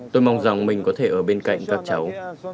tôi mong rằng mình có thể ở bên cạnh các cháu